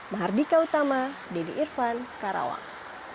mahardika utama dedy irvan karawang